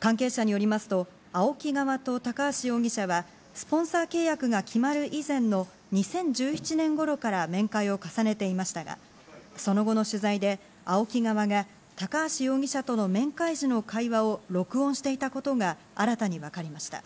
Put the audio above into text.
関係者によりますと、ＡＯＫＩ側と高橋容疑者はスポンサー契約が決まる以前の２０１７年ごろから面会を重ねていましたが、その後の取材でＡＯＫＩ側が高橋容疑者との面会時の会話を録音していたことが新たに分かりました。